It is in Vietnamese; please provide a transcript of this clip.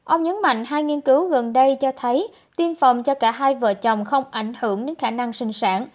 ông nhấn mạnh hai nghiên cứu gần đây cho thấy tiêm phòng cho cả hai vợ chồng không ảnh hưởng đến khả năng sinh sản